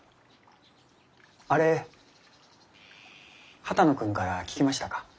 あれ波多野君から聞きましたか？